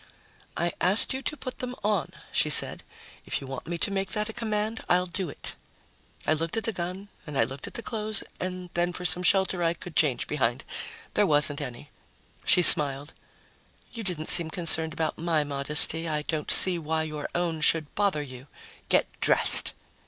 "I asked you to put them on," she said. "If you want me to make that a command, I'll do it." I looked at the gun and I looked at the clothes and then for some shelter I could change behind. There wasn't any. She smiled. "You didn't seem concerned about my modesty. I don't see why your own should bother you. Get dressed!"